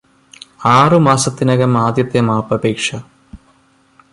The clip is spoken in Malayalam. ആറു മാസത്തിനകം ആദ്യത്തെ മാപ്പപേക്ഷ.